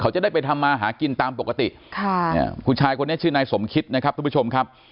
จะได้ไปทำมาหากินตามปกติค่ะผู้ชายคนนี้ชื่อนายสมคิดนะครับทุกผู้ชมครับ